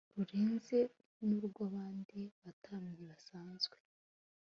rurenze n'urw'abandi batambyi basanzwe